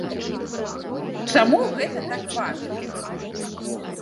Чаму гэта так важна?